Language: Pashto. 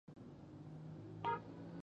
د غوښتنو پر بنسټ د نيوکې وړ دي.